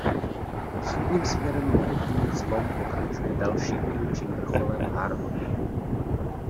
Východním směrem mohutný zlom pokračuje dalším dílčím vrcholem Har Hod.